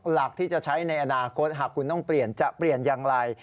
หลักที่จะใช้ในอนาคตหากคุณต้องเปลี่ยนจะเปลี่ยนอย่างไร